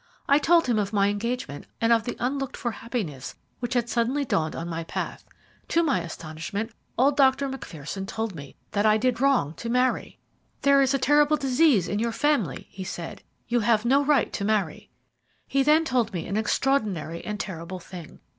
I told him of my engagement and of the unlooked for happiness which had suddenly dawned on my path. To my astonishment old Dr. Macpherson told me that I did wrong to marry. "'There is a terrible disease in your family,' he said; 'you have no right to marry.' "He then told me an extraordinary and terrible thing.